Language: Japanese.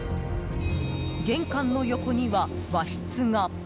玄関の横には和室が。